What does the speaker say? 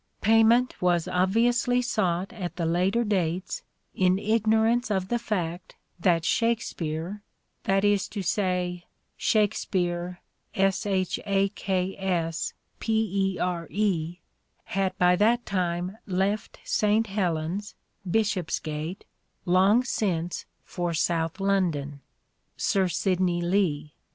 Pay ment was obviously sought at the later dates in ignorance of the fact that Shakespeare (i.e. Shakspere) had by that time left St. Helens (Bishopsgate) long since for South London " (Sir Sidney Lee).